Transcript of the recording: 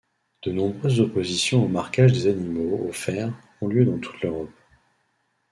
De nombreuses oppositions au marquage des animaux au fer ont lieu dans toute l'Europe.